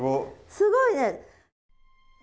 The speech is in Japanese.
すごいね。